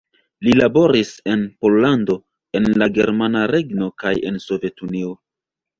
Li laboris en Pollando, en la Germana Regno kaj en Sovetunio.